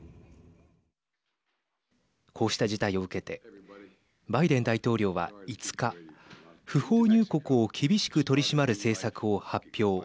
こうした事態を受けてバイデン大統領は５日不法入国を厳しく取り締まる政策を発表。